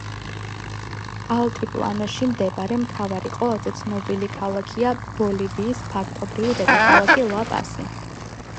ალტიპლანოში მდებარე მთავარი, ყველაზე ცნობილი ქალაქია ბოლივიის ფაქტობრივი დედაქალაქი ლა-პასი.